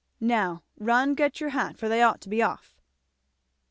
now run and get your hat for they ought to be off."